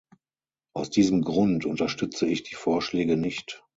Aus diesem Grund unterstütze ich die Vorschläge nicht.